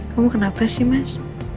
kamu kenapa sih mas